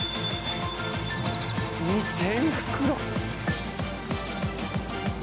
２０００袋！